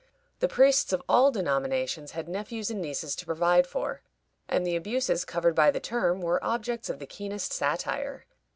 The priests of all denominations had nephews and nieces to provide for, and the abuses covered by the term were objects of the keenest satire.